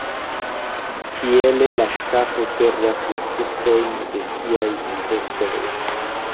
Tiele la ŝtato perdas la fruktojn de siaj investoj.